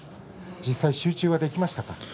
実際に集中はできましたか。